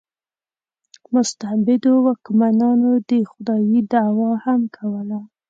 مستبدو واکمنانو د خدایي دعوا هم کوله.